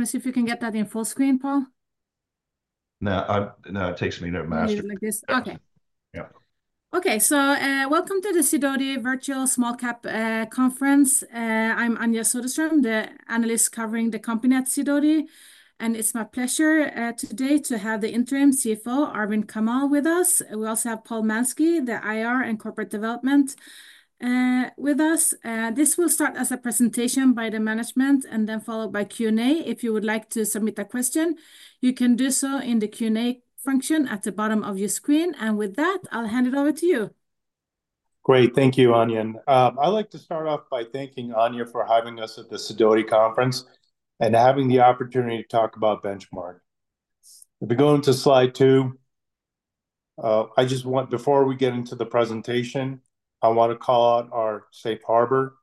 I want to see if you can get that in full screen, Paul? No. I know. It takes me no matter. Leave it like this? Yeah. Okay. Yeah. Okay, so, welcome to the Sidoti Virtual Small Cap Conference. I'm Anja Soderstrom, the analyst covering the company at Sidoti, and it's my pleasure today to have the Interim CFO, Arvind Gururaj, with us. We also have Paul Mansky, the IR and corporate development, with us. This will start as a presentation by the management, and then followed by Q&A. If you would like to submit a question, you can do so in the Q&A function at the bottom of your screen, and with that, I'll hand it over to you. Great. Thank you, Anja, and I'd like to start off by thanking Anja for having us at the Sidoti Conference and having the opportunity to talk about Benchmark. If we go into slide two, I just want, before we get into the presentation, I want to call out our safe harbor,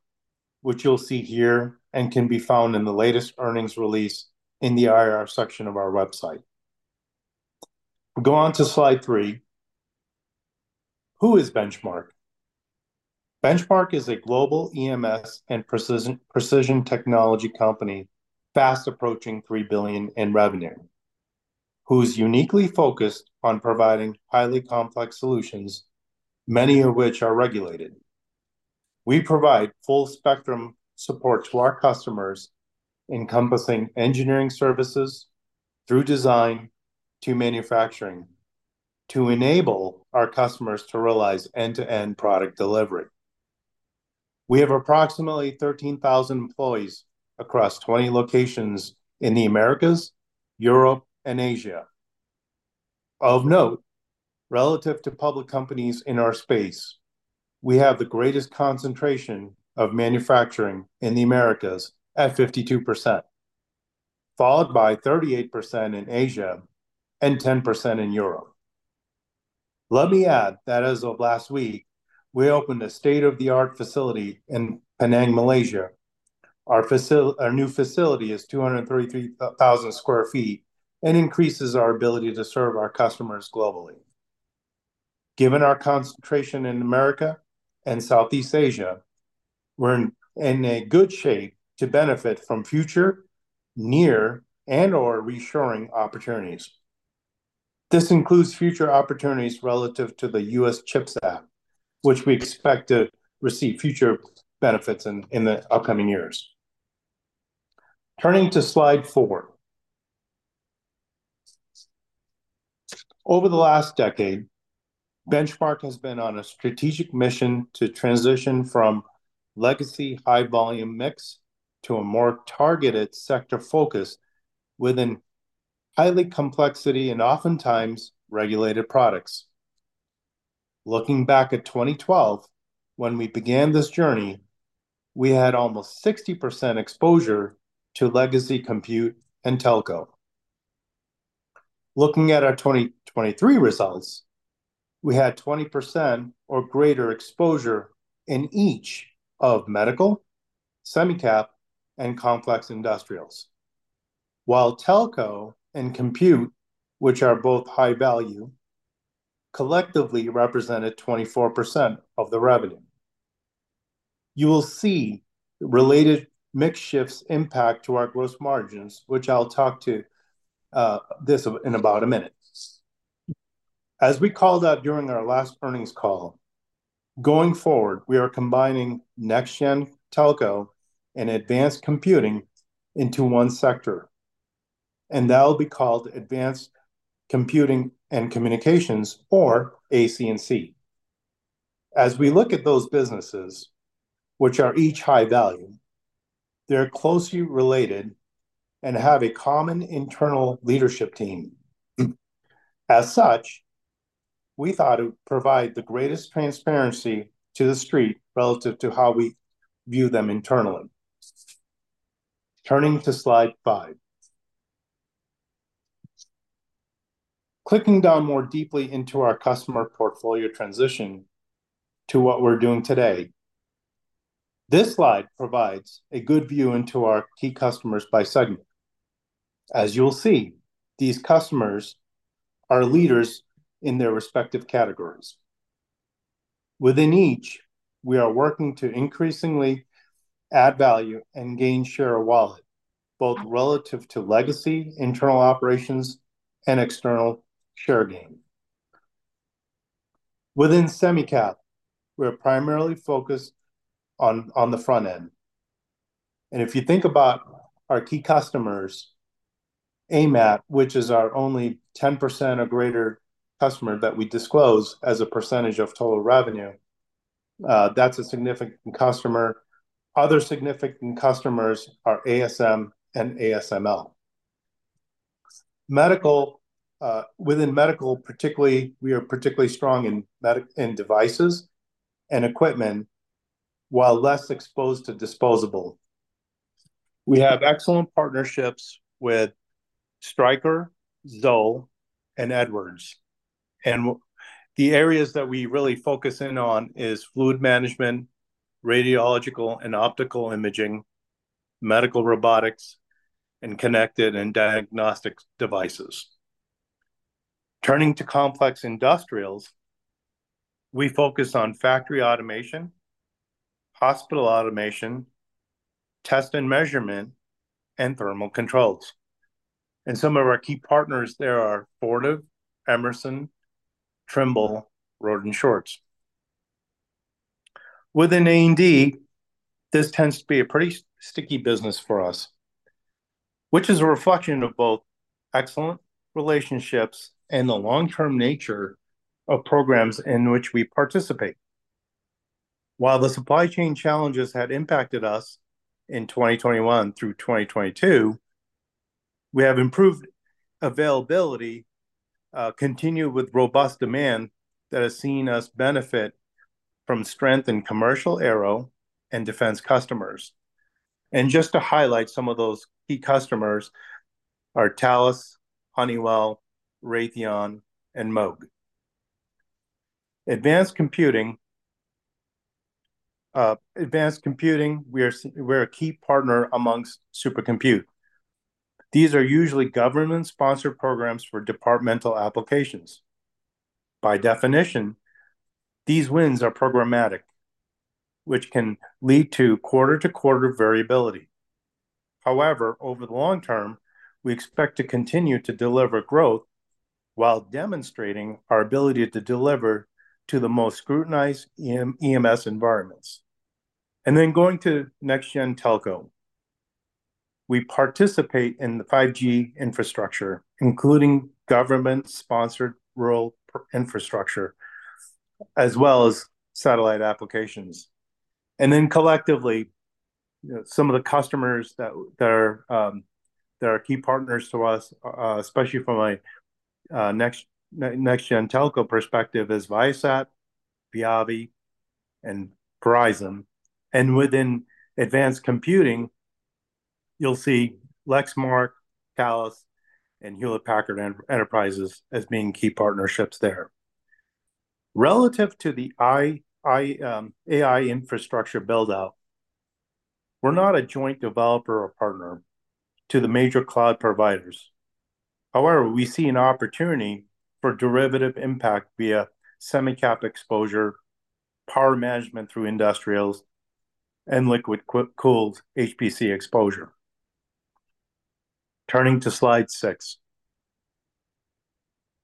which you'll see here, and can be found in the latest earnings release in the IR section of our website. Go on to slide three. Who is Benchmark? Benchmark is a global EMS and precision technology company, fast approaching $3 billion in revenue, whose uniquely focused on providing highly complex solutions, many of which are regulated. We provide full spectrum support to our customers, encompassing engineering services through design to manufacturing, to enable our customers to realize end-to-end product delivery. We have approximately 13,000 employees across 20 locations in the Americas, Europe, and Asia. Of note, relative to public companies in our space, we have the greatest concentration of manufacturing in the Americas at 52%, followed by 38% in Asia and 10% in Europe. Let me add that as of last week, we opened a state-of-the-art facility in Penang, Malaysia. Our new facility is 233,000 sq ft and increases our ability to serve our customers globally. Given our concentration in America and Southeast Asia, we're in a good shape to benefit from future nearshoring and/or reshoring opportunities. This includes future opportunities relative to the US CHIPS Act, which we expect to receive future benefits in the upcoming years. Turning to slide four. Over the last decade, Benchmark has been on a strategic mission to transition from legacy high volume mix to a more targeted sector focus within high complexity and oftentimes regulated products. Looking back at 2012, when we began this journey, we had almost 60% exposure to legacy compute and telco. Looking at our 2023 results, we had 20% or greater exposure in each of medical, semi-cap, and complex industrials. While telco and compute, which are both high value, collectively represented 24% of the revenue. You will see related mix shifts impact to our gross margins, which I'll talk to this in about a minute. As we called out during our last earnings call, going forward, we are combining next gen telco and advanced computing into one sector, and that will be called Advanced Computing and Communications or AC&C. As we look at those businesses, which are each high value, they're closely related and have a common internal leadership team. As such, we thought it would provide the greatest transparency to the street relative to how we view them internally. Turning to slide five. Drilling down more deeply into our customer portfolio transition to what we're doing today, this slide provides a good view into our key customers by segment. As you'll see, these customers are leaders in their respective categories. Within each, we are working to increasingly add value and gain share of wallet, both relative to legacy, internal operations, and external share gain. Within semi-cap, we're primarily focused on the front end, and if you think about our key customers, AMAT, which is our only 10% or greater customer that we disclose as a percentage of total revenue, that's a significant customer. Other significant customers are ASM and ASML. Medical, within medical particularly, we are particularly strong in medical devices and equipment, while less exposed to disposable. We have excellent partnerships with Stryker, Zoll, and Edwards, and the areas that we really focus in on is fluid management, radiological and optical imaging, medical robotics, and connected and diagnostic devices… Turning to complex industrials, we focus on factory automation, hospital automation, test and measurement, and thermal controls, and some of our key partners there are Fortive, Emerson, Trimble, Rohde & Schwarz. Within A&D, this tends to be a pretty sticky business for us, which is a reflection of both excellent relationships and the long-term nature of programs in which we participate. While the supply chain challenges had impacted us in 2021 through 2022, we have improved availability, continued with robust demand that has seen us benefit from strength in commercial aero and defense customers, and just to highlight, some of those key customers are Thales, Honeywell, Raytheon, and Moog. Advanced computing, we're a key partner amongst supercomputing. These are usually government-sponsored programs for departmental applications. By definition, these wins are programmatic, which can lead to quarter-to-quarter variability. However, over the long term, we expect to continue to deliver growth while demonstrating our ability to deliver to the most scrutinized EMS environments, and then going to next gen telco, we participate in the 5G infrastructure, including government-sponsored rural infrastructure, as well as satellite applications. And then collectively, you know, some of the customers that are key partners to us, especially from a next-gen telco perspective, is Viasat, Viavi, and Verizon. Within advanced computing, you'll see Lexmark, Thales, and Hewlett Packard Enterprises as being key partnerships there. Relative to the AI infrastructure build-out, we're not a joint developer or partner to the major cloud providers. However, we see an opportunity for derivative impact via semi-cap exposure, power management through industrials, and liquid-cooled HPC exposure. Turning to slide six.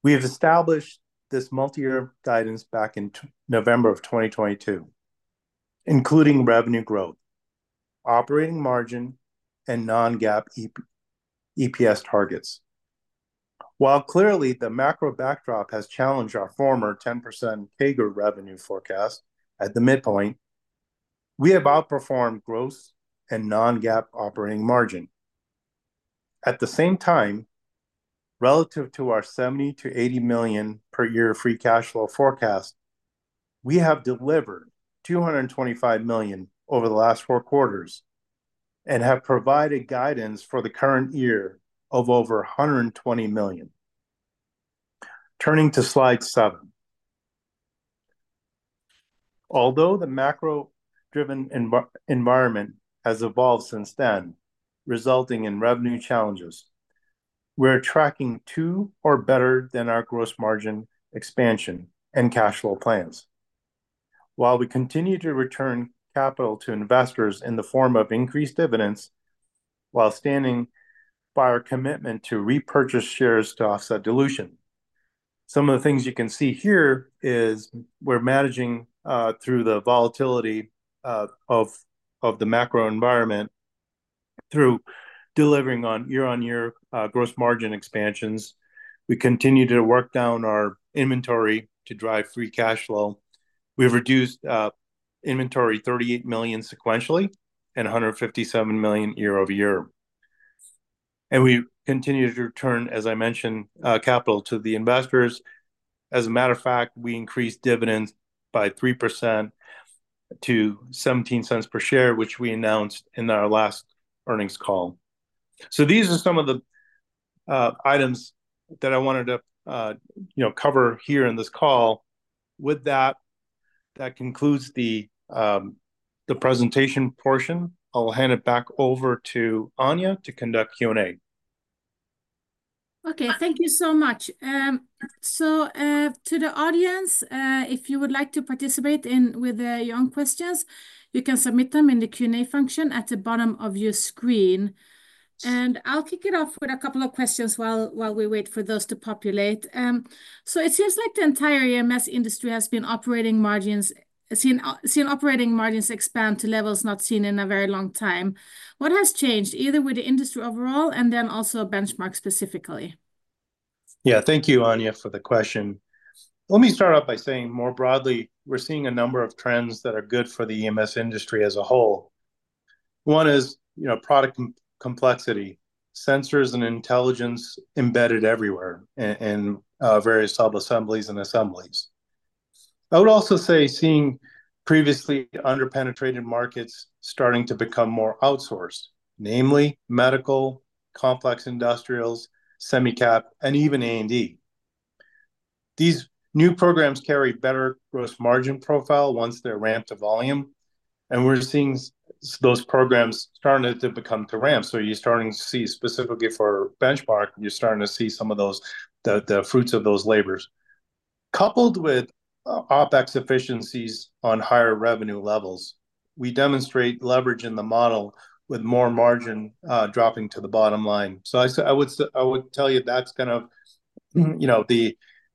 We have established this multi-year guidance back in November of 2022, including revenue growth, operating margin, and non-GAAP EPS targets. While clearly the macro backdrop has challenged our former 10% CAGR revenue forecast at the midpoint, we have outperformed gross and non-GAAP operating margin. At the same time, relative to our $70-$80 million per year free cash flow forecast, we have delivered $225 million over the last four quarters and have provided guidance for the current year of over $120 million. Turning to slide seven. Although the macro-driven environment has evolved since then, resulting in revenue challenges, we're tracking to or better than our gross margin expansion and cash flow plans. While we continue to return capital to investors in the form of increased dividends, while standing by our commitment to repurchase shares to offset dilution. Some of the things you can see here is we're managing through the volatility of the macro environment through delivering on year-on-year gross margin expansions. We continue to work down our inventory to drive free cash flow. We've reduced inventory $38 million sequentially, and $157 million year over year, and we continue to return, as I mentioned, capital to the investors. As a matter of fact, we increased dividends by 3% to $0.17 per share, which we announced in our last earnings call, so these are some of the items that I wanted to, you know, cover here in this call. With that, that concludes the presentation portion. I'll hand it back over to Anja to conduct Q&A. Okay, thank you so much. So, to the audience, if you would like to participate in with your own questions, you can submit them in the Q&A function at the bottom of your screen. And I'll kick it off with a couple of questions while we wait for those to populate. So it seems like the entire EMS industry has seen operating margins expand to levels not seen in a very long time. What has changed, either with the industry overall, and then also Benchmark specifically? Yeah. Thank you, Anja, for the question. Let me start off by saying, more broadly, we're seeing a number of trends that are good for the EMS industry as a whole. One is, you know, product complexity, sensors, and intelligence embedded everywhere in various sub-assemblies and assemblies. I would also say seeing previously under-penetrated markets starting to become more outsourced, namely medical, complex industrials, semi-cap, and even A&D. These new programs carry better gross margin profile once they're ramped to volume and we're seeing those programs starting to come to ramp. So you're starting to see, specifically for Benchmark, you're starting to see some of those, the fruits of those labors. Coupled with OpEx efficiencies on higher revenue levels, we demonstrate leverage in the model with more margin dropping to the bottom line. So I would tell you, that's kind of, you know,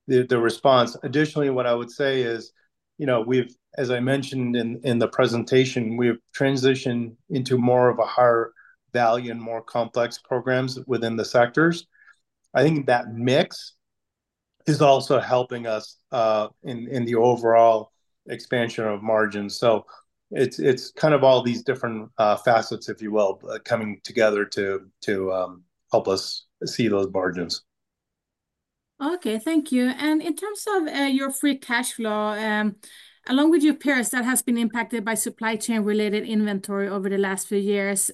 the response. Additionally, what I would say is, you know, we've, as I mentioned in the presentation, we've transitioned into more of a higher value and more complex programs within the sectors. I think that mix is also helping us in the overall expansion of margins. So it's kind of all these different facets, if you will, coming together to help us see those margins. Okay, thank you. And in terms of your free cash flow, along with your peers, that has been impacted by supply chain-related inventory over the last few years.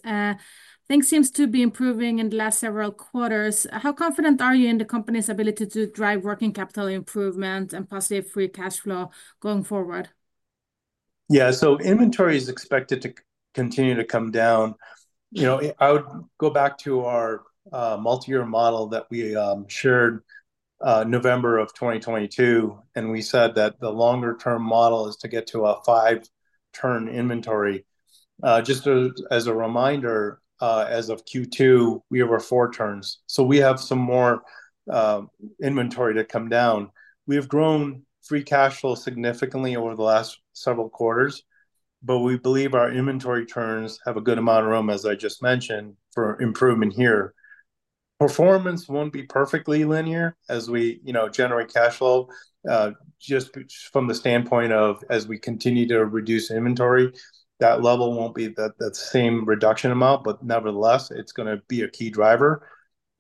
Things seems to be improving in the last several quarters. How confident are you in the company's ability to drive working capital improvement and positive free cash flow going forward? Yeah, so inventory is expected to continue to come down. You know, I would go back to our multi-year model that we shared November of 2022, and we said that the longer term model is to get to a five-turn inventory. Just as a reminder, as of Q2, we were four turns, so we have some more inventory to come down. We've grown free cash flow significantly over the last several quarters, but we believe our inventory turns have a good amount of room, as I just mentioned, for improvement here. Performance won't be perfectly linear as we, you know, generate cash flow. Just from the standpoint of as we continue to reduce inventory, that level won't be the same reduction amount, but nevertheless, it's gonna be a key driver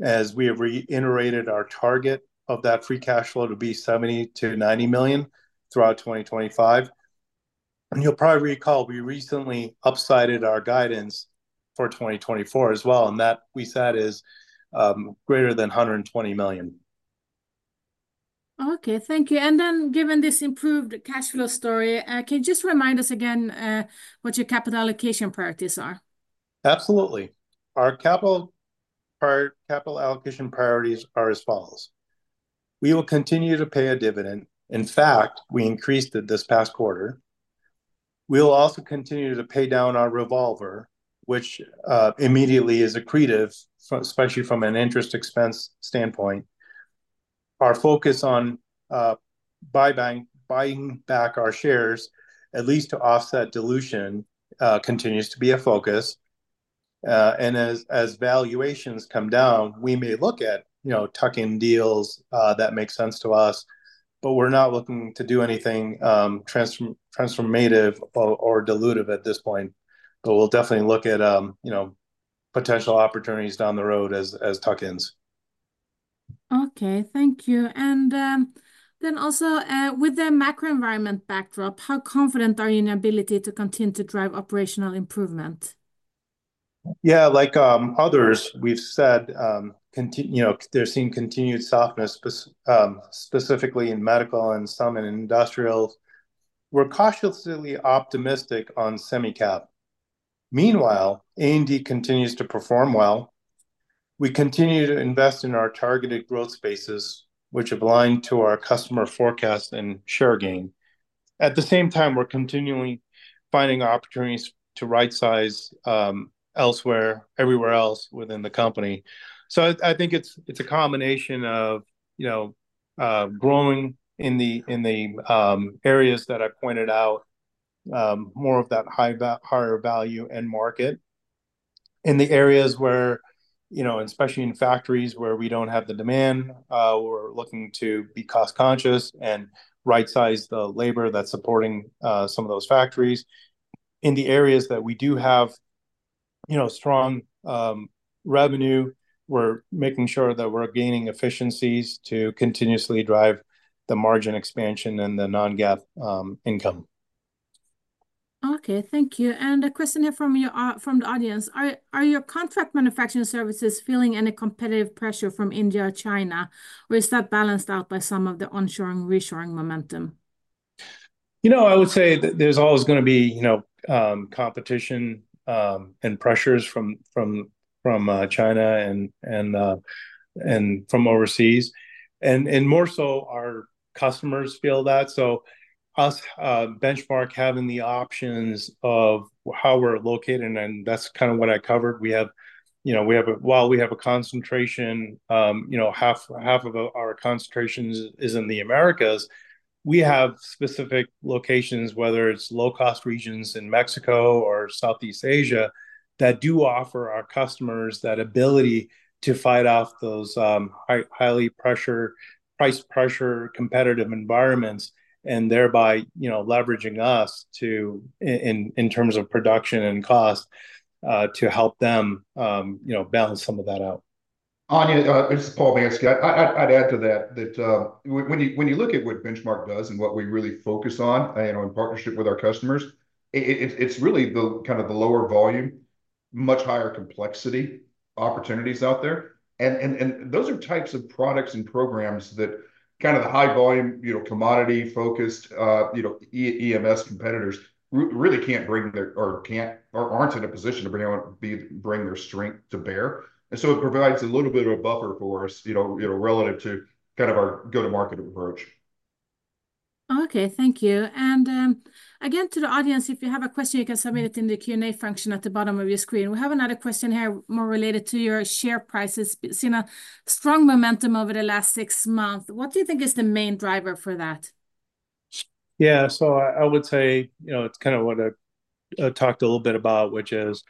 as we have reiterated our target of that free cash flow to be $70-$90 million throughout 2025. And you'll probably recall, we recently upsided our guidance for 2024 as well, and that we said is greater than $120 million. Okay, thank you. And then, given this improved cash flow story, can you just remind us again, what your capital allocation priorities are? Absolutely. Our capital allocation priorities are as follows: We will continue to pay a dividend. In fact, we increased it this past quarter. We'll also continue to pay down our revolver, which immediately is accretive, especially from an interest expense standpoint. Our focus on buying back our shares, at least to offset dilution, continues to be a focus, and as valuations come down, we may look at, you know, tuck-in deals that make sense to us, but we're not looking to do anything transformative or dilutive at this point, but we'll definitely look at, you know, potential opportunities down the road as tuck-ins. Okay, thank you, and then also, with the macro environment backdrop, how confident are you in your ability to continue to drive operational improvement? Yeah, like others, we've said, continue. You know, they're seeing continued softness, specifically in medical and some in industrial. We're cautiously optimistic on semi-cap. Meanwhile, A&D continues to perform well. We continue to invest in our targeted growth spaces, which are blind to our customer forecast and share gain. At the same time, we're continuing finding opportunities to rightsize, elsewhere, everywhere else within the company. So I think it's a combination of, you know, growing in the areas that I pointed out, more of that higher value end market. In the areas where, you know, especially in factories where we don't have the demand, we're looking to be cost conscious and rightsize the labor that's supporting some of those factories. In the areas that we do have, you know, strong revenue, we're making sure that we're gaining efficiencies to continuously drive the margin expansion and the non-GAAP income. Okay, thank you. And a question here from you, from the audience: Are your contract manufacturing services feeling any competitive pressure from India or China, or is that balanced out by some of the onshoring, reshoring momentum? You know, I would say that there's always gonna be, you know, competition, and pressures from China and from overseas. And more so our customers feel that. So us, Benchmark, having the options of how we're located, and that's kind of what I covered. We have, you know, we have a... While we have a concentration, you know, half of our concentration is in the Americas, we have specific locations, whether it's low-cost regions in Mexico or Southeast Asia, that do offer our customers that ability to fight off those, high price pressure, competitive environments, and thereby, you know, leveraging us to, in terms of production and cost, to help them, you know, balance some of that out. Anja, this is Paul Mansky. I'd add to that, when you look at what Benchmark does and what we really focus on, you know, in partnership with our customers, it's really the kind of the lower volume much higher complexity opportunities out there. And those are types of products and programs that kind of the high volume, you know, commodity-focused, you know, EMS competitors really can't bring their, or can't, or aren't in a position to bring their strength to bear. And so it provides a little bit of a buffer for us, you know, relative to kind of our go-to-market approach. Okay, thank you, and again, to the audience, if you have a question, you can submit it in the Q&A function at the bottom of your screen. We have another question here more related to your share prices. It's seen a strong momentum over the last six months. What do you think is the main driver for that? Yeah, so I would say, you know, it's kind of what I talked a little bit about, which is,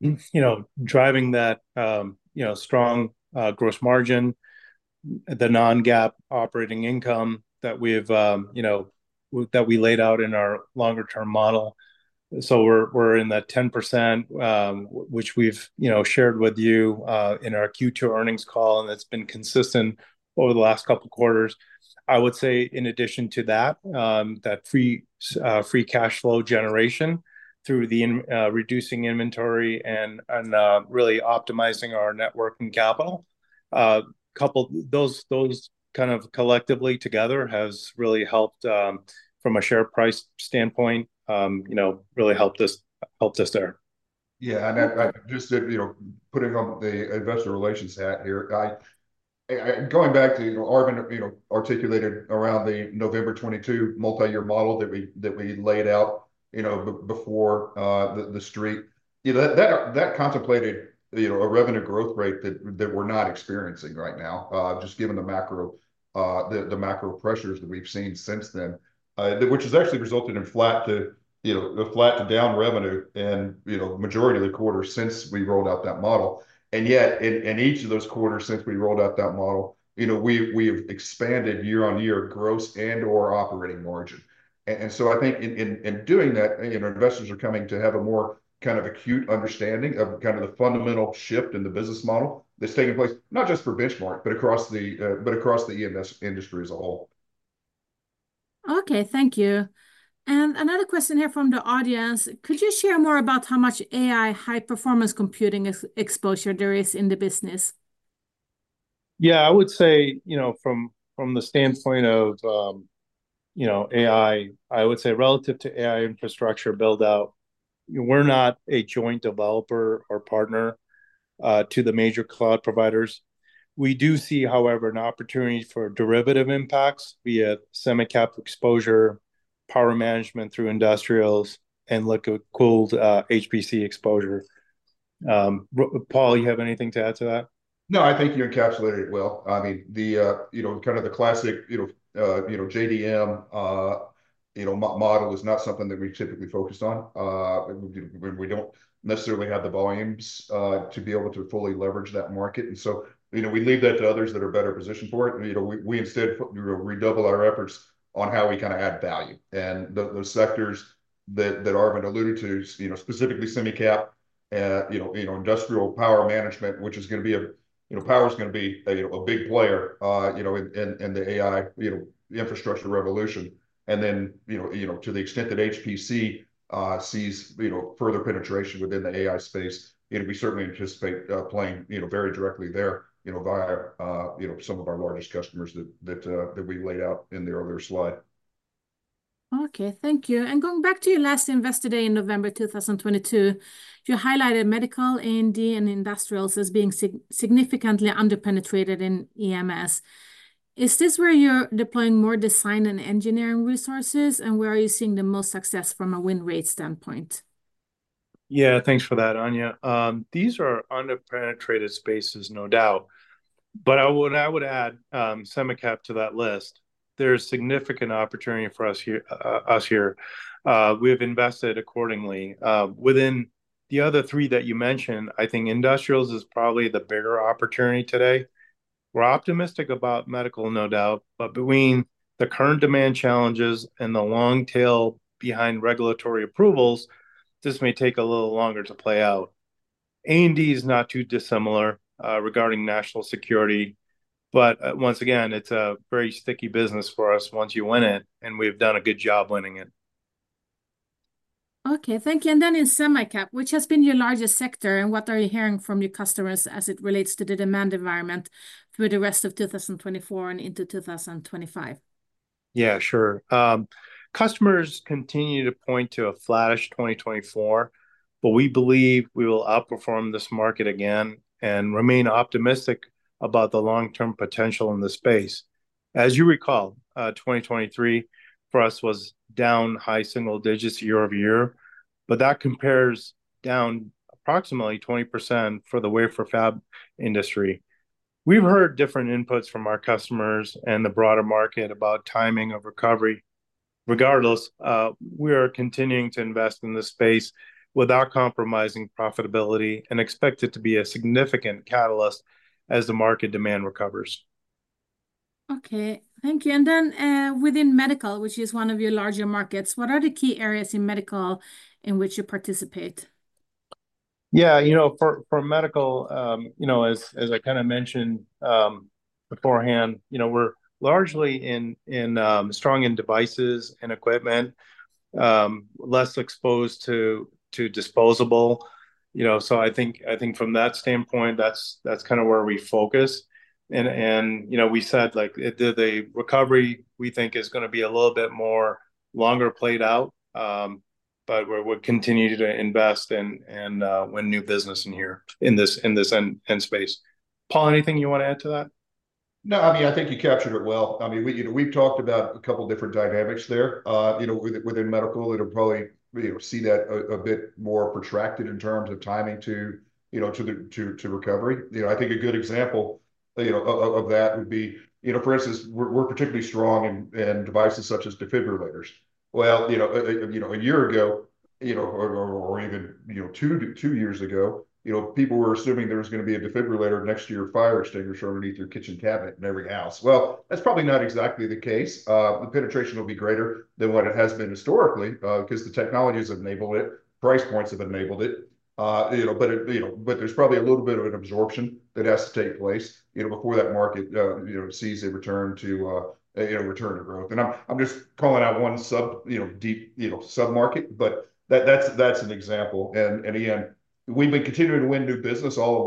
you know, driving that, you know, strong gross margin, the non-GAAP operating income that we've, you know, that we laid out in our longer term model. So we're in that 10%, which we've, you know, shared with you in our Q2 earnings call, and it's been consistent over the last couple quarters. I would say in addition to that, that free cash flow generation through reducing inventory and really optimizing our net working capital, coupled. Those kind collectively together has really helped from a share price standpoint, you know, really helped us there. Yeah, and just to, you know, putting on the investor relations hat here, going back to, you know, Arvind you know articulated around the November 2022 multi-year model that we laid out, you know, before the street, you know, that contemplated, you know, a revenue growth rate that we're not experiencing right now, just given the macro pressures that we've seen since then, which has actually resulted in flat to down revenue in the majority of the quarters since we rolled out that model. And yet, in each of those quarters since we rolled out that model, you know, we've expanded year-on-year gross and/or operating margin. So I think in doing that, you know, investors are coming to have a more kind of acute understanding of kind of the fundamental shift in the business model that's taking place, not just for Benchmark, but across the EMS industry as a whole. Okay, thank you. And another question here from the audience: Could you share more about how much AI high-performance computing exposure there is in the business? Yeah, I would say, you know, from the standpoint of, you know, AI, I would say relative to AI infrastructure build-out, we're not a joint developer or partner to the major cloud providers. We do see, however, an opportunity for derivative impacts via semi-cap exposure, power management through industrials, and liquid-cooled HPC exposure. Paul, you have anything to add to that? No, I think you encapsulated it well. I mean, the you know, kind of the classic, you know, JDM, you know, model is not something that we typically focus on. We don't necessarily have the volumes to be able to fully leverage that market, and so, you know, we leave that to others that are better positioned for it. You know, we, we instead redouble our efforts on how we kind of add value, and those sectors that Arvind alluded to, you know, specifically semi cap, you know, industrial power management, which is gonna be a... You know, power is gonna be a, you know, a big player, you know, in the AI, you know, the infrastructure revolution. Then, you know, to the extent that HPC sees, you know, further penetration within the AI space, you know, we certainly anticipate playing, you know, very directly there, you know, via, you know, some of our largest customers that we laid out in the earlier slide. Okay, thank you. And going back to your last Investor Day in November 2022, you highlighted medical, A&D, and industrials as being significantly under-penetrated in EMS. Is this where you're deploying more design and engineering resources, and where are you seeing the most success from a win rate standpoint? Yeah, thanks for that, Anja. These are under-penetrated spaces, no doubt, but I would, I would add semi-cap to that list. There's significant opportunity for us here. We have invested accordingly. Within the other three that you mentioned, I think industrials is probably the bigger opportunity today. We're optimistic about medical, no doubt, but between the current demand challenges and the long tail behind regulatory approvals, this may take a little longer to play out. A&D is not too dissimilar regarding national security, but once again, it's a very sticky business for us once you win it, and we've done a good job winning it. Okay, thank you. And then in semi-cap, which has been your largest sector, and what are you hearing from your customers as it relates to the demand environment through the rest of 2024 and into 2025? Yeah, sure. Customers continue to point to a flattish 2024, but we believe we will outperform this market again and remain optimistic about the long-term potential in this space. As you recall, 2023 for us was down high single digits year over year, but that compares down approximately 20% for the wafer fab industry. We've heard different inputs from our customers and the broader market about timing of recovery. Regardless, we are continuing to invest in this space without compromising profitability and expect it to be a significant catalyst as the market demand recovers. Okay, thank you. And then, within medical, which is one of your larger markets, what are the key areas in medical in which you participate? Yeah, you know, for medical, you know, as I kind of mentioned beforehand, you know, we're largely in strong in devices and equipment, less exposed to disposable, you know. So I think from that standpoint, that's kind of where we focus. And you know, we said, like, the recovery, we think is gonna be a little bit more longer played out. But we're continuing to invest in and win new business in this end space. Paul, anything you want to add to that? No, I mean, I think you captured it well. I mean, we, you know, we've talked about a couple different dynamics there. You know, within medical, it'll probably we'll see that a bit more protracted in terms of timing to the recovery. You know, I think a good example, you know, of that would be, you know, for instance, we're particularly strong in devices such as defibrillators. Well, you know, a year ago, you know, or even two years ago, you know, people were assuming there was gonna be a defibrillator next to your fire extinguisher underneath your kitchen cabinet in every house. Well, that's probably not exactly the case. The penetration will be greater than what it has been historically, 'cause the technology has enabled it, price points have enabled it. You know, but it, you know, but there's probably a little bit of an absorption that has to take place, you know, before that market, you know, sees a return to, you know, a return to growth. And I'm just calling out one sub, you know, deep, you know, sub-market, but that, that's an example. And again, we've been continuing to win new business all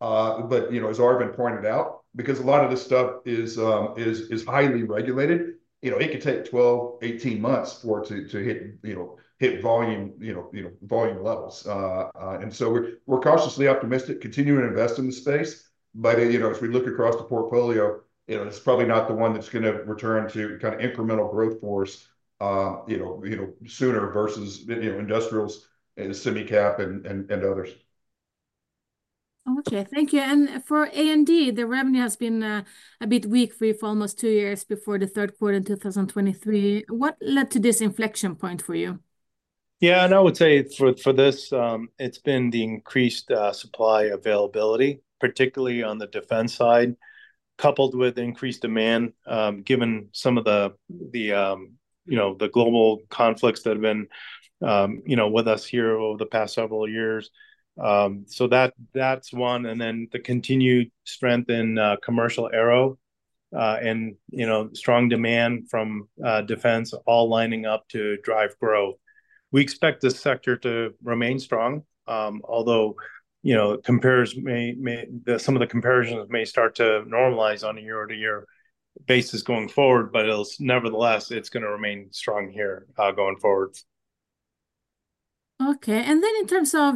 along. But, you know, as Arvind pointed out, because a lot of this stuff is, is highly regulated, you know, it could take 12-18 months for it to hit, you know, hit volume, you know, volume levels. And so we're cautiously optimistic, continuing to invest in the space. But you know, as we look across the portfolio, you know, it's probably not the one that's gonna return to kind of incremental growth for us, you know, sooner versus you know, industrials and semi-cap and others. Okay, thank you. And for A&D, the revenue has been a bit weak for you for almost two years before the third quarter in two thousand twenty-three. What led to this inflection point for you? Yeah, and I would say for this it's been the increased supply availability, particularly on the defense side, coupled with increased demand, given some of the you know the global conflicts that have been you know with us here over the past several years. So that's one, and then the continued strength in commercial aero and you know strong demand from defense all lining up to drive growth. We expect this sector to remain strong, although you know compares may may. Some of the comparisons may start to normalize on a year-to-year basis going forward, but it'll nevertheless it's gonna remain strong here going forward. Okay. And then in terms of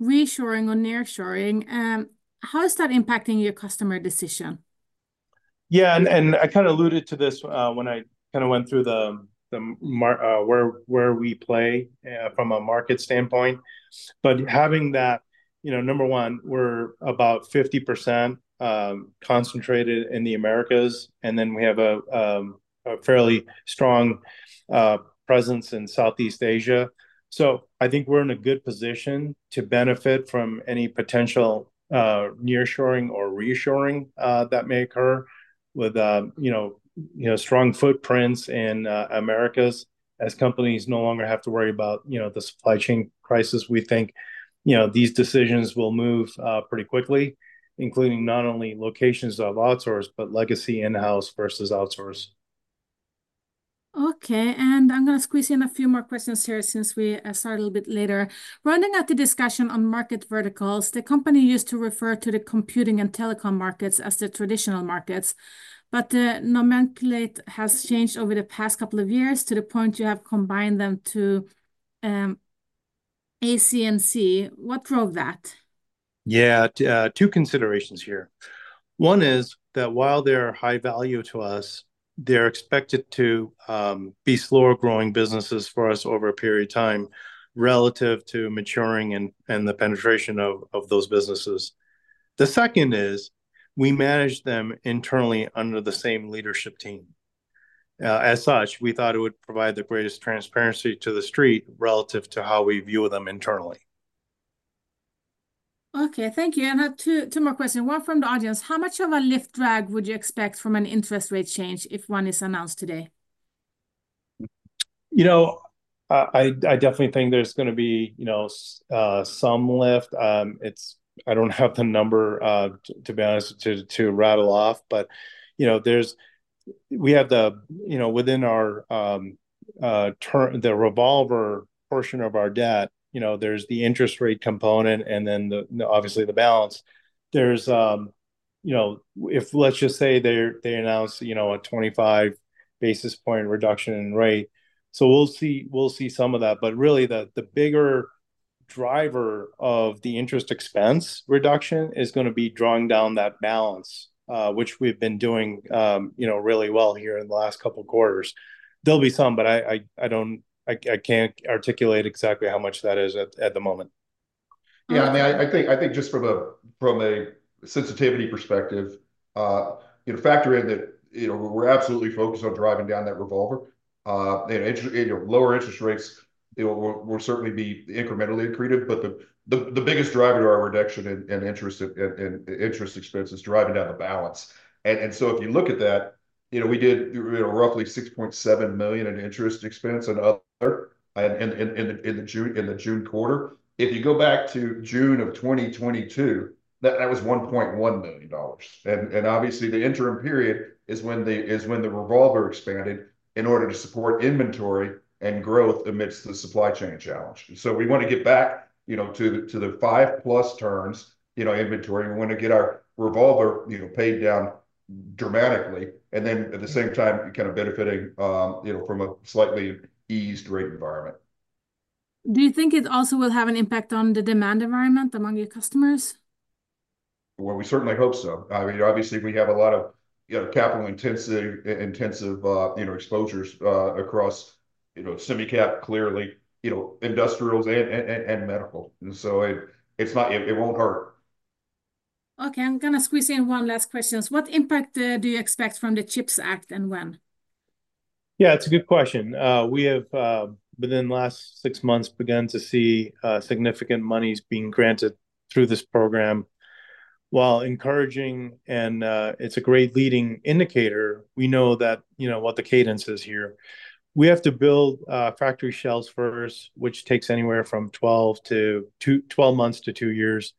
reshoring or nearshoring, how is that impacting your customer decision? Yeah, and I kind of alluded to this when I kind of went through the market where we play from a market standpoint. But having that, you know, number one, we're about 50% concentrated in the Americas, and then we have a fairly strong presence in Southeast Asia. So I think we're in a good position to benefit from any potential nearshoring or reshoring that may occur with, you know, strong footprints in Americas, as companies no longer have to worry about, you know, the supply chain crisis. We think, you know, these decisions will move pretty quickly, including not only locations of outsource, but legacy in-house versus outsource. Okay, and I'm gonna squeeze in a few more questions here since we started a little bit later. Rounding out the discussion on market verticals, the company used to refer to the computing and telecom markets as the traditional markets, but the nomenclature has changed over the past couple of years to the point you have combined them to AC&C. What drove that? Yeah. Two considerations here. One is that while they're high value to us, they're expected to be slower-growing businesses for us over a period of time, relative to maturing and the penetration of those businesses. The second is, we manage them internally under the same leadership team. As such, we thought it would provide the greatest transparency to the street relative to how we view them internally. Okay, thank you. And, two more questions, one from the audience: How much of a lift drag would you expect from an interest rate change if one is announced today? You know, I definitely think there's gonna be, you know, some lift. It's. I don't have the number, to be honest, to rattle off, but, you know, there's, we have the, you know, within our, the revolver portion of our debt, you know, there's the interest rate component and then the, obviously, the balance. There's, you know, if let's just say they announce, you know, a twenty-five basis point reduction in rate, so we'll see some of that. But really, the bigger driver of the interest expense reduction is gonna be drawing down that balance, which we've been doing, you know, really well here in the last couple quarters. There'll be some, but I don't, I can't articulate exactly how much that is at the moment. Yeah, I mean, I think just from a sensitivity perspective, you know, factor in that, you know, we're absolutely focused on driving down that revolver. And lower interest rates, they will certainly be incrementally accretive, but the biggest driver to our reduction in interest expense is driving down the balance. And so if you look at that, you know, we did roughly $6.7 million in interest expense and other, and in the June quarter. If you go back to June of 2022, that was $1.1 million. And obviously the interim period is when the revolver expanded in order to support inventory and growth amidst the supply chain challenge. So we want to get back, you know, to the five-plus turns, you know, inventory, and we want to get our revolver, you know, paid down dramatically. And then at the same time, kind of benefiting, you know, from a slightly eased rate environment. Do you think it also will have an impact on the demand environment among your customers? We certainly hope so. I mean, obviously we have a lot of, you know, capital intensive, you know, exposures across, you know, semi-cap, clearly, you know, industrials and medical. So it, it's not. It won't hurt. Okay, I'm gonna squeeze in one last question. What impact do you expect from the CHIPS Act, and when? Yeah, it's a good question. We have, within the last six months, begun to see significant monies being granted through this program. While encouraging, and it's a great leading indicator, we know that, you know, what the cadence is here. We have to build factory shells first, which takes anywhere from 12 months to two years.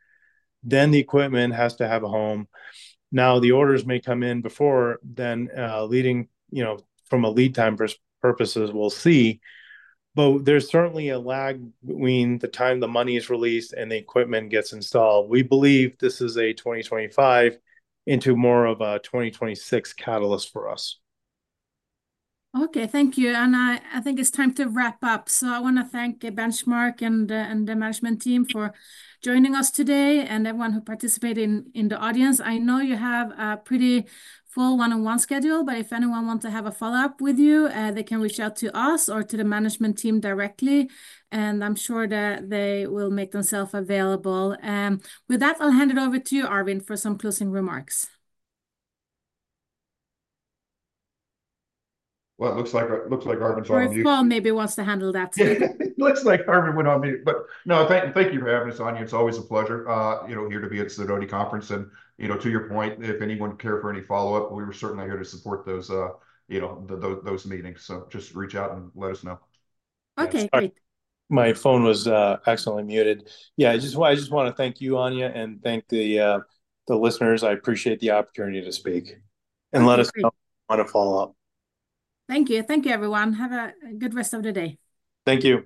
Then the equipment has to have a home. Now, the orders may come in before then, leading, you know, from a lead time purposes, we'll see. But there's certainly a lag between the time the money is released and the equipment gets installed. We believe this is a 2025 into more of a 2026 catalyst for us. Okay, thank you. And I think it's time to wrap up. So I wanna thank Benchmark and the management team for joining us today, and everyone who participated in the audience. I know you have a pretty full one-on-one schedule, but if anyone wants to have a follow-up with you, they can reach out to us or to the management team directly, and I'm sure that they will make themselves available. With that, I'll hand it over to you, Arvind, for some closing remarks. Well, it looks like Arvind's on mute. Or, Paul, maybe wants to handle that too. Looks like Arvind went on mute. But no, thank you for having us, Anja. It's always a pleasure, you know, here to be at this Sidoti conference. And, you know, to your point, if anyone care for any follow-up, we're certainly here to support those meetings. So just reach out and let us know. Okay, great. My phone was accidentally muted. Yeah, I just wanna thank you, Anja, and thank the listeners. I appreciate the opportunity to speak. Thank you. Let us know if you wanna follow up. Thank you. Thank you, everyone. Have a good rest of the day. Thank you.